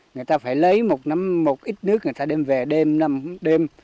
người ta phải lấy một ít nước người ta đem về đêm năm đêm